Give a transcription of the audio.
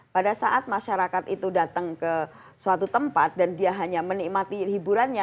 pada saat masyarakat itu datang ke suatu tempat dan dia hanya menikmati hiburannya